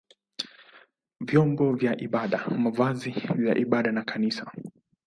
vyombo vya ibada, mavazi ya ibada na kanisa.